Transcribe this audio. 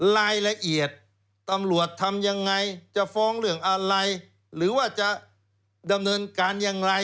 รายละเอียดตำรวจทำยังไงจะฟ้องเรื่องอะไรหรือว่าจะดำเนินการอย่างไร